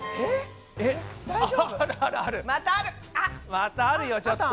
またあるよちょっと。